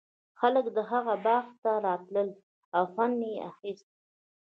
خلک د هغه باغ ته راتلل او خوند یې اخیست.